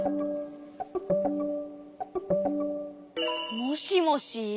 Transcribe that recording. もしもし？